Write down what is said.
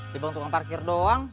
timbang tukang parkir doang